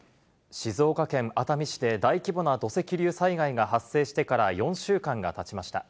静岡県熱海市で大規模な土石流災害が発生してから４週間がたちました。